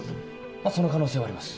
まあその可能性はあります。